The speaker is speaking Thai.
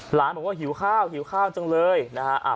หลานบอกว่าหิวข้าวหิวข้าวจังเลยนะฮะ